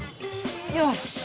よし！